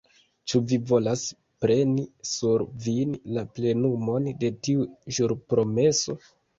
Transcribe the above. ĉu vi volas preni sur vin la plenumon de tiu ĵurpromeso?